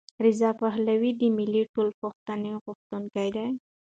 رضا پهلوي د ملي ټولپوښتنې غوښتونکی دی.